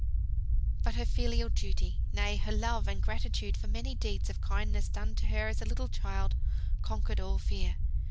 But her filial duty, nay, her love and gratitude for many deeds of kindness done to her as a little child, conquered all fear.